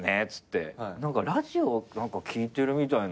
「何かラジオ聴いてるみたいな」